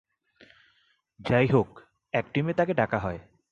যাইহোক এক টিমে তাকে ডাকা হয়।